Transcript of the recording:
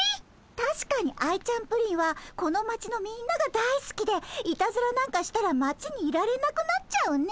たしかにアイちゃんプリンはこの町のみんながだいすきでいたずらなんかしたら町にいられなくなっちゃうね。